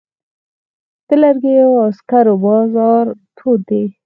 د لرګیو او سکرو بازار تود دی؟